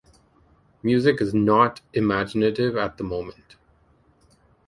Music is not imaginative at the moment.